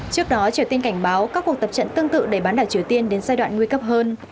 trước đó triều tiên cảnh báo các cuộc tập trận tương tự để bán đảo triều tiên đến giai đoạn nguy cấp hơn